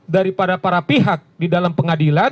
daripada para pihak di dalam pengadilan